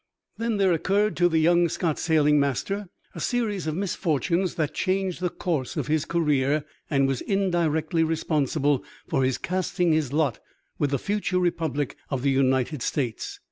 Then there occurred to the young Scotch sailing master a series of misfortunes that changed the course of his career and was indirectly responsible for his casting his lot with the future republic of the United States.